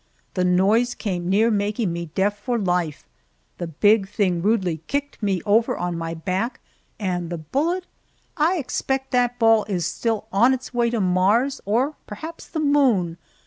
The noise came near making me deaf for life; the big thing rudely "kicked" me over on my back, and the bullet I expect that ball is still on its way to Mars or perhaps the moon.